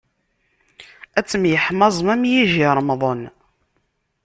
Ad temyeḥmaẓem am yijirmeḍen.